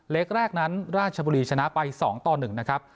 เล็กแรกนั้นราชบุรีชนะไป๒ต่อ๑นะครับ